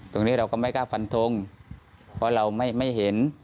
ตรงนี้เราก็ไม่กล้าฟันทงเพราะเราไม่เห็น